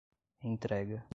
entrega